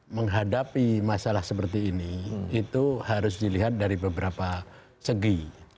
menghadapi masalah seperti ini itu harus dilihat dari beberapa segi